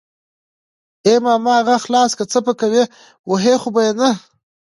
ای ماما اغه خلاص که څه پې کوي وهي خو يې نه.